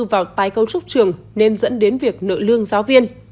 vào tái cấu trúc trường nên dẫn đến việc nợ lương giáo viên